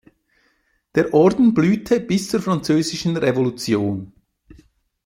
Der Orden blühte bis zur französischen Revolution.